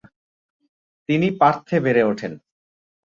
তিনি পার্থে বেড়ে ওঠেন।